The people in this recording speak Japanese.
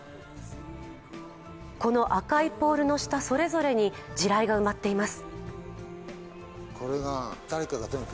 この赤いポールの下それぞれに地雷が埋まっています。